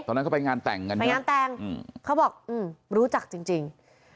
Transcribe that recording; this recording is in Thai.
ตอนนั้นก็ไปงานแต่งกันเขาบอกรู้จักจริง